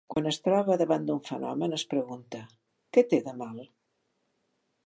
Quan es troba davant d'un fenomen es pregunta: Què té de mal?